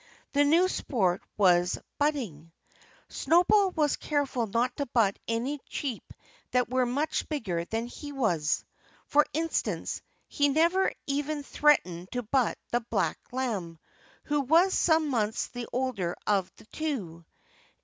The new sport was butting. Snowball was careful not to butt any sheep that were much bigger than he was. For instance, he never even threatened to butt the black lamb, who was some months the older of the two.